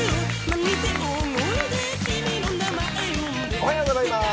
おはようございます。